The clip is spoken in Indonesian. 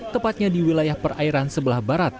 tepatnya di wilayah perairan sebelah barat